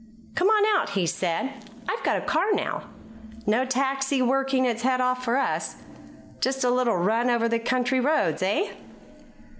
"Come on out," he said. "I've got a car now. No taxi working its head off for us. Just a little run over the country roads, eh?"